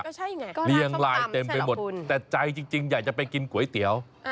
ก็ใช่ไงก็เรียงลายเต็มไปหมดแต่ใจจริงอยากจะไปกินก๋วยเตี๋ยว